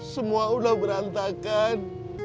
semua udah berantakan